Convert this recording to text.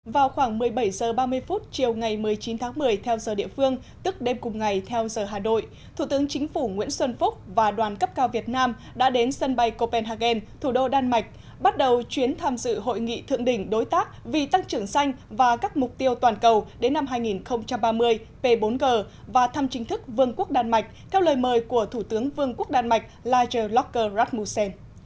vào khoảng một mươi bảy h ba mươi chiều ngày một mươi chín tháng một mươi theo giờ địa phương tức đêm cùng ngày theo giờ hà đội thủ tướng chính phủ nguyễn xuân phúc và đoàn cấp cao việt nam đã đến sân bay copenhagen thủ đô đan mạch bắt đầu chuyến tham dự hội nghị thượng đỉnh đối tác vì tăng trưởng xanh và các mục tiêu toàn cầu đến năm hai nghìn ba mươi p bốn g và thăm chính thức vương quốc đan mạch theo lời mời của thủ tướng vương quốc đan mạch lagerlokker rasmussen